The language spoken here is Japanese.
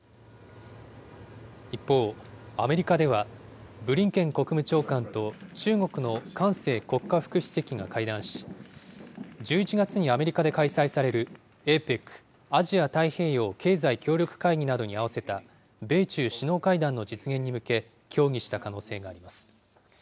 一方、アメリカではブリンケン国務長官と中国の韓正国家副主席が会談し、１１月にアメリカで開催されるＡＰＥＣ・アジア太平洋経済協力会議などに合わせた米中首脳会談の実現に向け、協議した可能性があります。